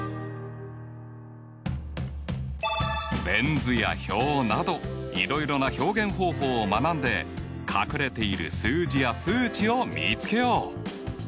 ベン図や表などいろいろな表現方法を学んで隠れている数字や数値を見つけよう。